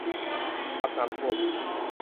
รับน้ำท่วม